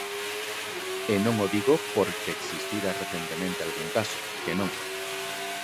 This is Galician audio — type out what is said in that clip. E non o digo porque existira recentemente algún caso, que non.